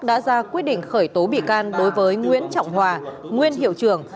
đã ra quyết định khởi tố bị can đối với nguyễn trọng hòa nguyên hiệu trưởng